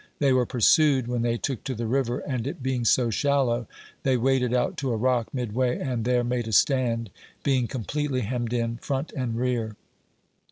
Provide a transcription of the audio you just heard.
They were pursued, when they took to the river, and it being so shallow, they waded out to a rock, mid way, and, there made a stand, being completely hemmed in, front and rear.